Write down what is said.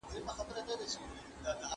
په اسلام کي د غریب او شتمن ترمنځ توازن سته.